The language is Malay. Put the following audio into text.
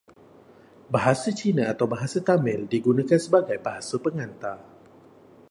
Bahasa Cina atau Bahasa Tamil digunakan sebagai bahasa pengantar.